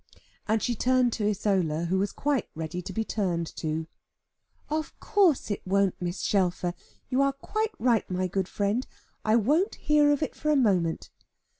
And she turned to Isola, who was quite ready to be turned to. "Of course it won't, Mrs. Shelfer. You are quite right, my good friend. I won't hear of it for a moment.